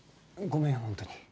ごめん本当に。